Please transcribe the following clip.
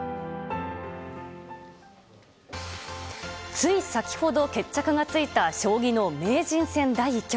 つい先ほど決着がついた将棋の名人戦第１局。